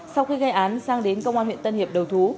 sau khi gây án sang đến công an huyện tân hiệp đầu thú